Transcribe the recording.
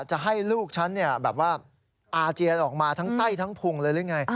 จะให้ลูกฉันแบบว่าอาเจียนออกมาทั้งไส้ทั้งพุงเลยหรือไง